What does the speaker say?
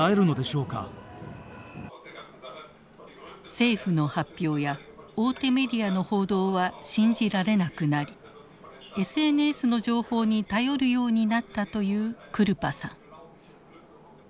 政府の発表や大手メディアの報道は信じられなくなりＳＮＳの情報に頼るようになったというクルパさん。